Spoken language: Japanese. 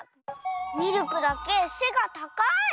ミルクだけせがたかい！